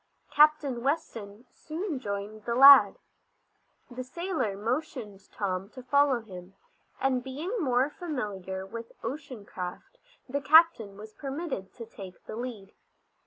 Captain Weston soon joined the lad. The sailor motioned Tom to follow him, and being more familiar with ocean craft the captain was permitted to take the lead.